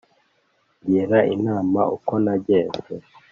Ngira inama uko nagenzi